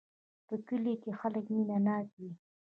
په کلي کې خلک مینه ناک وی